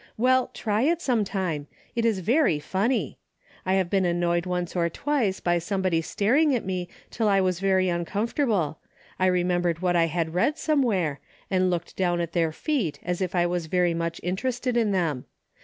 Well, try it some time. It is 'Very funny. I have been annoyed once or twice by somebody staring at me till I was very uncomfortable. I remembered what I had read somewhere, and looked down at their feet as if I was very much interested in them.